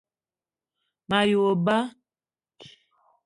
Me ye wo ba